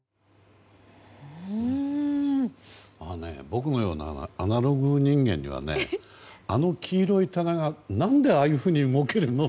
僕のようなアナログ人間にはあの黄色い棚が何でああいうふうに動けるの？